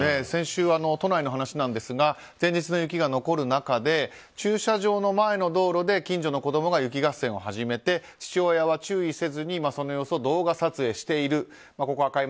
先週、都内の話ですが前日の雪が残る中で駐車場の前の道路で近所の子供が雪合戦を始めて父親は注意せずにその様子を動画撮影している。